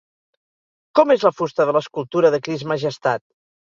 Com és la fusta de l'escultura de Crist Majestat?